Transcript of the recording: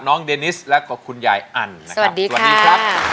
น้องเดนิสแล้วก็คุณยายอันสวัสดีค่ะ